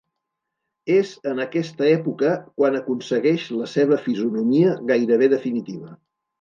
És en aquesta època quan aconsegueix la seva fisonomia gairebé definitiva.